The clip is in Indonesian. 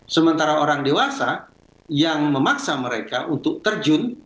sementara orang dewasa yang memaksa mereka untuk terjun